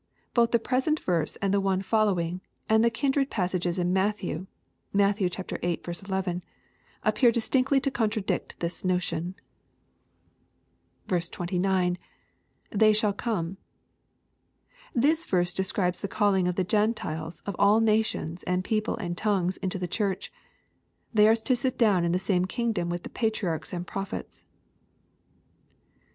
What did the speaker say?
Both the present verse, and the one following, and the kindred passage in Matthew, (Matt. viiL 11,) appear distinctly to contradict this notion. &9,' {Th€y sJiaUcome.] This verse describes the calling of the Gkn« tiles of all nations and people and tongues into the Church. They are to sit down in the same kingdom with the patriarchs and prophets.